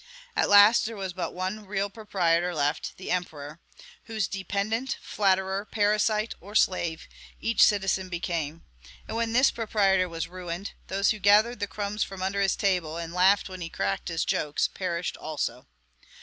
At last there was but one real proprietor left, the emperor, whose dependent, flatterer, parasite, or slave, each citizen became; and when this proprietor was ruined, those who gathered the crumbs from under his table, and laughed when he cracked his jokes, perished also.